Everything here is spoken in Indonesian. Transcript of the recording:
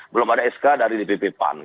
belum ada sk dari dpp pan